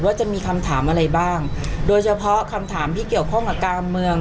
ว่าจะมีคำถามอะไรบ้างโดยเฉพาะคำถามที่เกี่ยวข้องกับการเมือง